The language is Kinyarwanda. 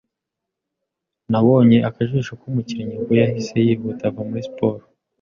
Nabonye akajisho k'umukinnyi ubwo yahise yihuta ava muri siporo.